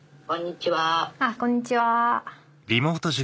こんにちは。